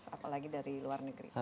apalagi dari luar negeri